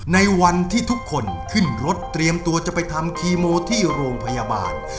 ในวันที่ทุกคนขึ้นรถเตรียมตัวจะไปทำคีโมที่โรงพยาบาล